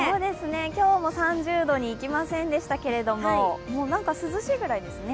今日も３０度にいきませんでしたけれども、涼しいくらいですね。